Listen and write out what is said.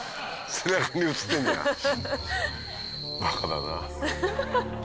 背中に映ってんじゃんバカだなぁ。